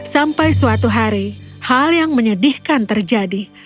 sampai suatu hari hal yang menyedihkan terjadi